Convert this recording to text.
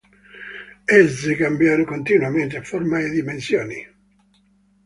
Esse cambiano continuamente forma e dimensioni.